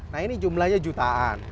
nah ini jumlahnya jutaan